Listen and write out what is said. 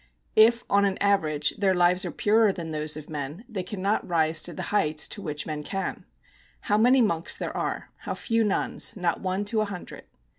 If on an average their lives are purer than those of men, they cannot rise to the heights to which men can. How many monks there are how few nuns! Not one to a hundred.